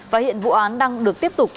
và hiện vụ án đang được tiếp tục